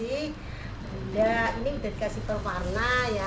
enggak ini udah dikasih pewarna ya